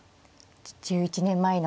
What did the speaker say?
１１年前の。